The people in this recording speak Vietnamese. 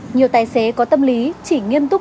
nhiều tài xế có tâm lý chỉ nghiêm túc